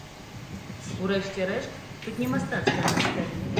У рэшце рэшт, тут не мастацкая майстэрня!